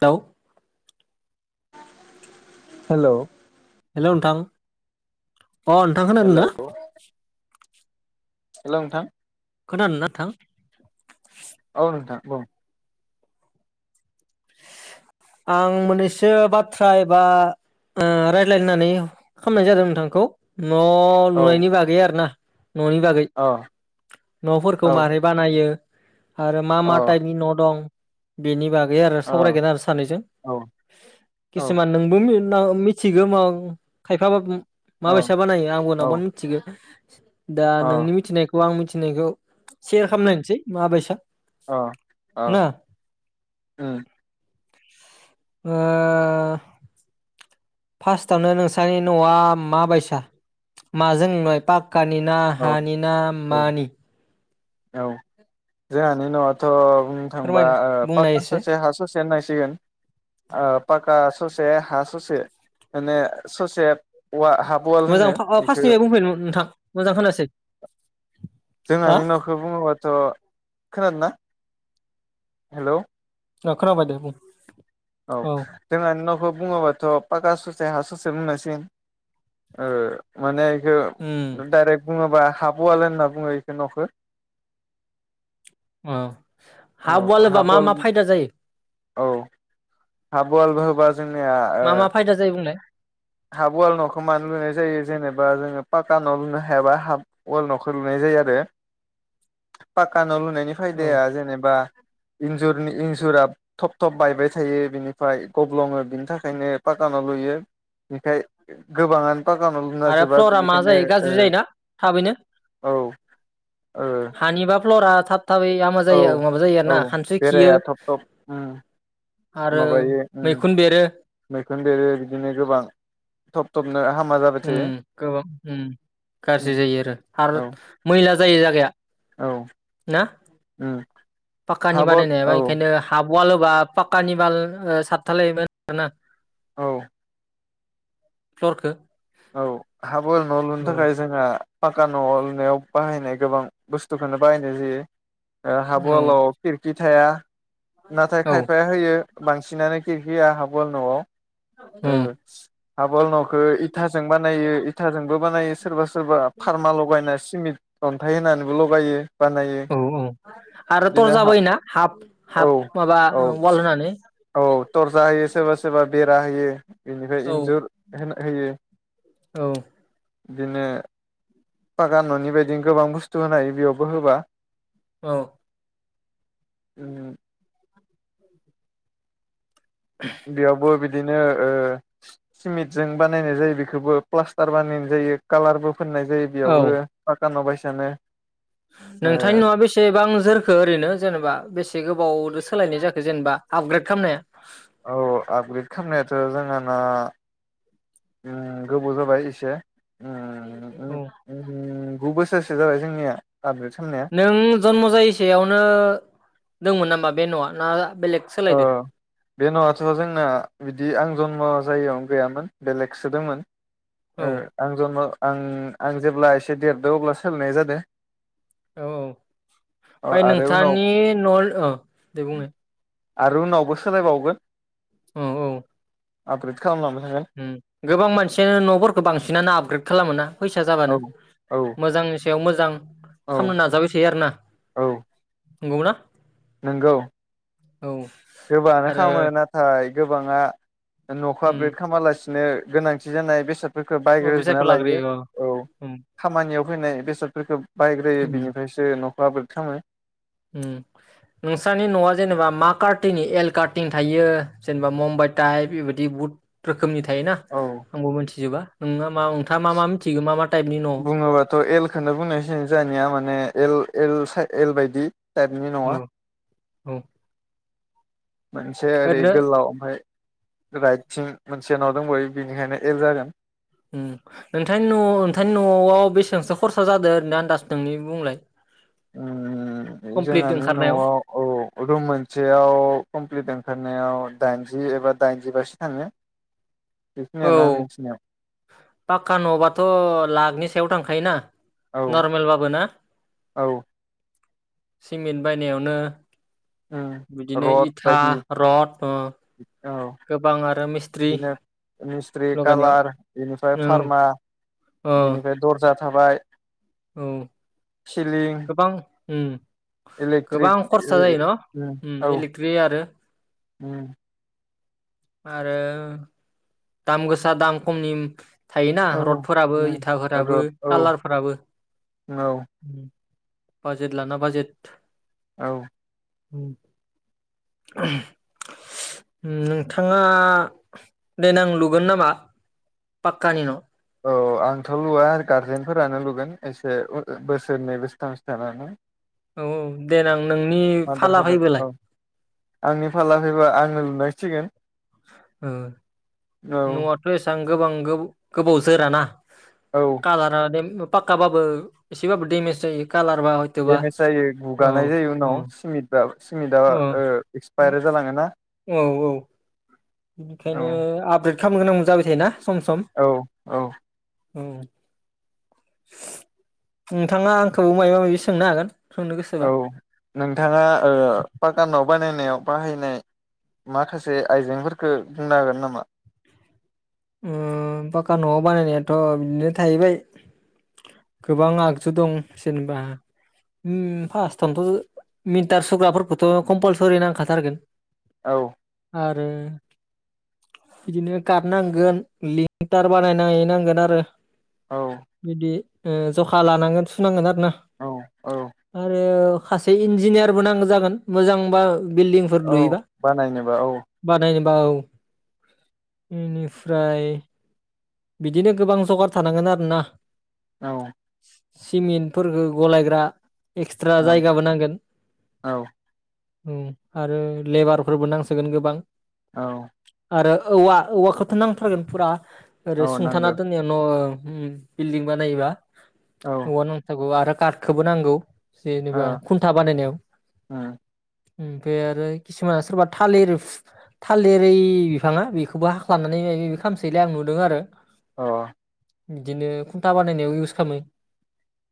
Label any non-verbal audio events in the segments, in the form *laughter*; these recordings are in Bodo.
हेलौ हेल' हेल' नोंथां अ नोंथांखौोनानो ना हेल' नोंथां खोनादों ना नोंथां नोंथां औ आं मोननैसो बाथ्रा एबा ओ रायलायनो होननै खामनाय जादों नोंथांखौ। न' औ लुनायनि बागै आरो ना न'नि बागै। अ न'फोरखौ औ मारै बानायो आरो मा अ मा टाइपनि न' दं बिनि बाग गै आरो अ सावरायगोन आरो सानैजों औ औ किसुमान नोंबो मिन ना मिथिगोमाव खायफाबा उम माबायसा बानायो आंबो औ नावमान मिनथिगो। *inaudible* दा अ नोंनि मिथिनाय खौ आं मिथिनायखौ सेयार खालामलायनसै माबायसा अ अ ना उम। ओ फास्टआवनो नोंस्रानि न'आ माबायसा माजों लुनाय? पा कानिना औ हानिना औ मानि? औ जोंहानि न'आथ' बुंनो थांबा फोरमायना ओ बुंनाय पक्का एसे सासे हा सस चेन्नाय सिगोन ओ पाक बा ससे हा ससे माने ससे औवा हाफ वाल मोजां होनो फा आ इखो फास्टनिफ्राय बुंफैनो नोंथां मोजां खानायासै। हा! अथ'। खोनादों ना हेलौ? अ खोनाबाय दे बुं। औ जोंहानि न'खौ बुङोबाथ' पाक्का ससे हा ससे बुंनांसिगोन। ओ माने हो उम डाइरेक्ट बुङा बा हाब अवाल होनना बुङो एखो न'खो। ओ औ हाब अवाल होबा हाफ मा वाल मा फायदा जायो? औ हाब अवल बो होबा मा मा फायदा जायो बुंलाय? हाब वाल न'खौ मानो लुनाय जायो जेनेबा जोङो पाका न' लुनो हायाबा हाफ अआल न'खो लुनाय जायो आरो पाक्का न' लु नायनि औ फायदाया जेनेबा इन्जुरनि इन्जुरा थब थब बायबाय थायो बिनिफ्राय गब्लङो बिनि थाखायनो पाका न' लुयो बिखाय गोबाङान आरो फ्लरा मा जायो गाज्रि जायोना थाबैनो ओ औ हानिबा फ्ल'रा थाब थाबै हामा औ जायो माबा जायो आरो औ ना खानस्रि खियो बेरायाया थब थब उम आरो माबायो उम मैखुन बेरो मैखुन बेरो बिदिनो गोबां थब थब नो हा उम गोबां उम गाज्रि उम जायो आरो आरो औ मैला जायो जागाया औ ना उम पाक्कानि हाबल बानायनायाबा औ इंखायनो हाब वाल होबा पाक्कानि बाल ओ सतथालाय *unintelligible* ना औ प्लरखो औ हाब फुल न' लुनो थाखाय जोंहा फाक्का न'आव लुनायाव बाहायनाय गोबां बुस्थुखोनो बाहायनाय जायो ओ हाब औ अआलाव खिरखि थाया नाथाय औ खायफाया होयो बांसिनानो खिरखिया हाब अआल न'आव ओ उम हाब अआल न'खो इ इथाजों बानायो इथाजोंबो बानायो सोरबा सो सोरबा फारमा लगायना सिमिट अन्थाइ होनानैबो लगायो बानायो औ औ आरो बिदिनो हा थरजाबो होयोना हाफ औ हाफ माबा औ अआल होनानै औ थरसा होयो सोरबा सोरबा बेरा होयो बेनिफाय औ इन्जुर होना होयो औ बिदिनो फाका न'नि बायदि गोबां बुस्थु होनो हायो बेयावबो होबा औ उम बेयावबो बि बिदिनो ओ सिमेन्ट जों बानायनाय जायो बेखौबो प्लास्टार बानायनाय जायो कालारबो फोननाय जायो औ बेयावबो दानाव बायसानो ओ नोंथांनि न'आ बेसेबां जोरखो ओरैनो जेनेबा बेसे गोबावदो सोलायनाय जाखो जेनेबा आपग्रेड खालामनाया? औ आपग्रेड खालामनायाथ' जोंहाना ओम गोबाव जाबाय एसे औ सोरसो जाबाय जोंनिया आपग्रेड खालामनाया नों जन्म जायैसेयावनो दोंमोन नामा? बे न'आ ना बेलेग अ सोलायदो बे न'आथ' जोंना बिदि आं जन्म जायैयावनो गैयामोन बेलेगसो दोंमोन। औ ए आं ज आं आं जेब्ला एसे देरद अब्ला सोलायनाय जादों। औ औ अ ओमफ्राय आरो उनाव नोंथांनि न'आव दे बुंनो आरो उनावबो सोलायबावगोन। औ औ आपग्रेद खालामलांबाय गोबां मानसियानो न'फोरखौ बांसिनानो आपग्रेड खालामो न। फैसा जाबानो थागोन औ मोजांनि सायाव मोजां। जां औ खालामनो नाजाबाय थायो आरो ना औ गुमना नोंगौ गोबानो आरो खालामो नाथाय गोबाङा न'खौ आपग्रेद उम खालामामालासिनो बिनो गोनांथि जानाय बेसाद फोरख बायग्रजोबना बिसायखौ लायो लाग्रोयो अ औ उम खामानियाव फैनाय बेसादफोरखौ बायग्रोयो बिनिफ्रायसो न'खर। बाबोरथामो नोंस्रनि न'आ जेनेबा मा कार्टिनि एल कार्टिं थायो जेनेबा मुम्बाइ टाइप बेबायदि बहुत रोखोम रोखोमनि थायोना औ आंबो मिथिजोबा न मा नोंथाङा मा मा मिथिगौ मा मा टाइपनि औ बुङोबाथ' एलखौनो बुंनायस जानिया माने एल एल साइ एलबायदि- जारनि नङा औ मोनसे ओरै ओरैनो गोलाव ओमफफ्राय राइटथिं मोनसे न' दंबो बिनिखायनो एल जागोन नोंथांनि न' नोंथांनि न'आव बेसेबांसो खरसा जादों होना आदास नोंनि बुंलाय कमप्लिट जोंहानि न'आव ओंखारनायाव औ रुम मोनसेयाव कमप्लिट ओंखारनायाव दाइनजि एबा दाइनजि बासो थाङो औ बेखिनियानो आं मिथिनायाव पाक्क न'बाथ' लाखनि सायाव थांख आना औ नर्मेल बाबो ना। औ सिमेन्ट बायनायावनो बिदिनो रड इथा बायदि रथ गोबां आरो मिस्थ्रि मिस्थ्रि कालार बिनिफ्राय फार्मा औ बेनिफ्राय दर्जा थाबाय। *inaudible* औ सिलिं गोबां उम इलेक्ट्रिक गोबां खरसा जायो न' उम औ इलेक्ट्रि आरो। उम आरो। दाम गोसा दाम खमनि थायोना औ रडफोराबो रड इथाफोराबो औ कालारफोराबो औ बाजेद लाना बाजेद औ *unintelligible* नोंथाङा। देनां लुगोन नामा पाक्कानि न'? औ आंथ' लुवा आरो गारजेनफोरानो लुगोन एसे बोसोरनै बोसोरथामसो थानानै। औ औ देनां नोंनि मादार फाला फादार फैबोलाय औ आंनि फाला फैबा आंनो लुनांसिगोन। ओ औ न आथ' एसां गोबां गो -गोबावजोराना औ कालारा दे। पाक्काबाबो एसेबाबो डेमेज जायो। कालारबा हयथ'बा देमेज जायो औ गुगानाय जायो औ उनाव सिमटा सिमेनदा औ ओ एक्सपायार जालाङोना। औ बिखायनो आबग्रेद खामनो गोनांबो जाबाय थायोना सम सम औ औ औ नोंथाङा आंखौ मायबा मायबि सोंनो हागोन सोंनो गोसोबा औ नोंथाङा ओ पाकानाव बानायनायाव बाहायनाय माखासे आइजेंफोरखो बुंनो हागोन नामा उम पाक्का न'आव बानायनायाथ' बिदिनो थाहैबाय गोबां आगजु दं जेनेबा ओम फास्टावनोथ' मिटार सुग्राफोरखौथ' कम्पालसरि नांखाथारगोन औ आरो बिदिनो गादनां गोन लिंटार बानायनाय नांगोन आरो औ बिदि ओ जखा लानांगोन सुनांगोन आरो ना औ औ आरो खासे इन्जिनियारबो नांगो जागोन मोजांबा बिल्डिंफोर औ लुयोबा बानायनोबा औ बानायगोन बाव इनिफ फ्राय बिदिनो गोबां जगार थानांगोन आरोना औ सिमिन्टफोरखो गलायग्रा एक्सट्रा औ जायगाबो नांगोन औ उम आरो लेबारफोरबो नांसोगोन गोबां औ आरो औवा औवाखौथ' नांथारगोन फुरा ओरै औ सुंथाना नांगौ दोननाया न' ओ उम बिल्डिं बानायोबा औ औवा नांथारगौ आरो कादखोबो नांगौ ओ जेनेबा खुन्था बानायनायाव उम अ ओमफाय आरो किसुमाना सोरबा थालिर थालिरै बिफाङा बेखौबो हाख्लानानै माय मायबि खामसोयोलै आं नु दों आरो अ बिदिनो खुन्था बानायनायाव इउस खामो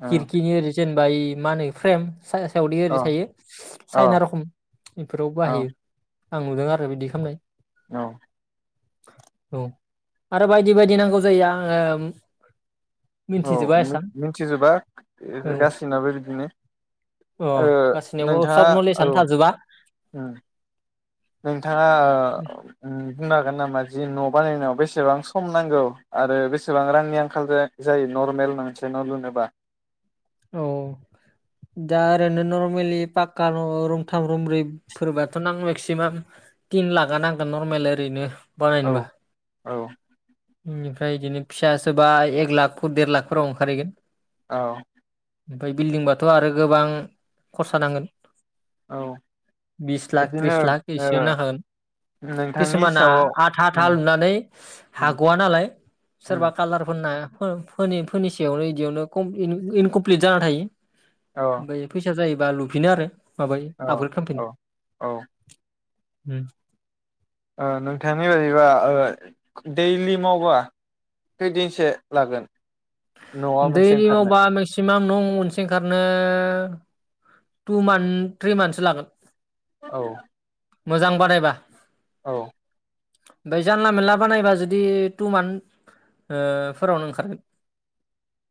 अ खिरखिनि ओरै जेन बाय मा होनो फ्रेम सायासायावदि अ ओरै थायो औ साइना रखम इफोरावबो बाहायो आं नुदों आरो बिदि खामनाय औ औ आरो बायदि बायदि नांगौ जायो आङो ओम औ मिनथिजोबा औ गााससिनाबो बिदिनो अ ओ गासैनियावबो नोंथाङा सब औ नलेजआनो थाजोबा उम। नोंथाङा ओ बुं हागोन नामा जि न' बानायनायाव बेसेबां सम नांगौ आरो बेसेबां रांनि आंखाल जायो नरमेल मोनसे न' लुनोबा औ दा ओरैनो नरमेलि पाक्का न'रुमथाम रुमब्रैफोरबाथ' नां मेक्सिमाम थिन लाखा नांगोन नर्मेलि ओरैनो औ औ ओनिफ्राय इदिनो फिसा सोबा एक लाख देर लाखफोराव ओंखारहैगोन। औ ओमफाय बिल्डिंबाथ' आरो गोबां खरसा नांगोन। औ बिस लाख बिदिनो त्रिस लाख ओ एसेयाव नांखागोन नोंथांनि किसुमाना हिसाबाव आथा आथा उम लुनानै उम हाग'वा नालाय उम सोरबा कालारफोनना फोनि -फोनि सायावनो इदियावनो कम इनक प्लिट जाना थायो। औ ओफाय फैसा जायो। बा लुफिनो आरो माबायो औ आपग्रेड औ खामफिनो। औ होम ओ नोंथांनि बायदिबा ओ दैलि मावबा खैदिनसो लागोन। न'आ मोनसे दैलिआव ओंखारनो बा मेक्सिमाम न मोनसे ओंखारनो टु मान थ्रि मानसो लागोन। औ मोजां बानायबा औ ओमफ्राय जानला मेनला बानायबा जुदि टु मान्थ ओ फोरावनो ओंखारगोन।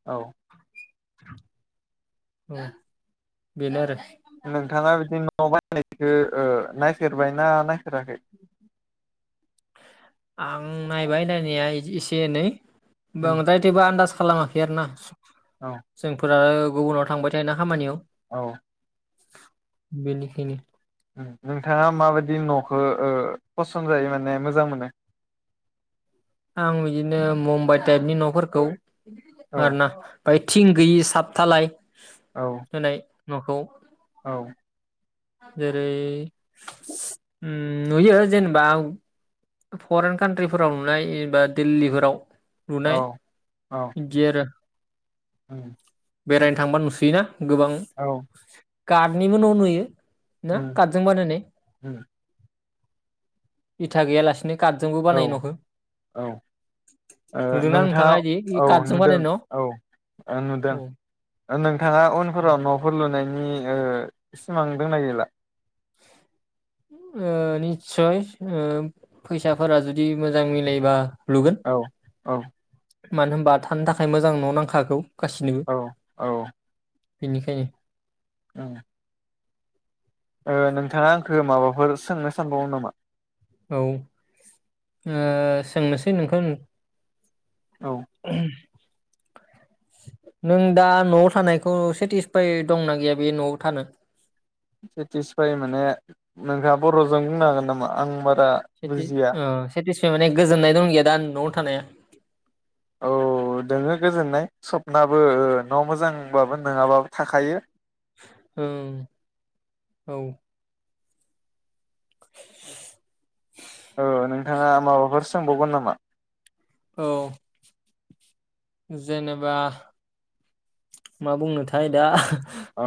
औ *inaudible* औ बेनो आरो नोंथाङा बिदि न न' बायनायखो नायफेरबायना नायफेराखै आं नायबाय नायनाया एसे एनै उम बांदाय जेबो आन्दाज खालामाखै आरो ना? औ जोंफोरा गुबुनाव थांबाय थायो ना खामानियाव। औ बेनिखायनो नोंथाङा माबायदि न'खौ ओ फसन जायो माने मोजां मोनो। आं बिदिनो मुम्बाइ टाइपनि न'फोरखौ औ आरो ना फाय थिं गैयि साबथालाय औ होनाय न'खौ औ जेरै ओम नुयो जेनेबा फरेन कान्ट्रिफोराव नुनाय एबा दिल्लीफोराव औ लुनाय गेर ओं बेरायनो थांबा नुसोयोना। गोबां औ गादनिबो न' नुयो ना उम कदजों बानायनाय उम इथा गैयालासिनो कादजोंबो औ बानायो नखो औ नुदोंना नोंथाङा इदि कादजों बानाय न' ओ दों नोंथाङा उनफोराव न'फोर लुनायनि सिमां दोंना गैला ओ निस्सय ओ फैसाफोरा जुदि मोजां मिलायोबा लुगोन औ औ मानो होनबा थानो थाखाय मोजां न' नांखा गासिनोबो औ बिनिखायनो औ ओ नोंथाङा आंखौ माबाफोर सोंनो सानबावमोन नामा? औ ओ सोंनोसै नोंखौ औ *inaudible* नों दा न'आव थानायखौ सेटिसफाइ दंना गैया बे न'आव थानो? सेथिसफाइ माने नोंथाङा बर'जों बुंनो हागोन नामा आं बारा रा सेटि बुजिया ओ सेटिसफाइ माने गोजोननाय दं गैया दा न'आव थानाया औ दोङो गोजोननाय सपनाबो न' मोजांबाबो नङाबाबो थाखायो। औ औ औ नोंथाङा माबाफोर सोंबावगोन नामा? औ जेनेबा मा बुंनोथाय दा? औ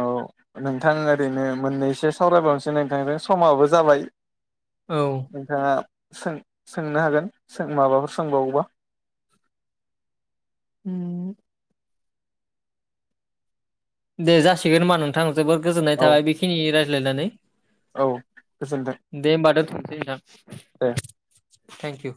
नोंथां ओरैनो मोननैसो सावरायबावनोसै नोंथांजों समाबो जाबाय। औ नोंथाङा सों सोंनो हागोनों माबाफोर सोंबावोबा। होम दे जासिगोन होनबा नोंथां जोबोर गोजोननाय औ थाबाय बेखिनि राय लायनानै औ गोजोन्थों *unintelligible* दे थेंक इउ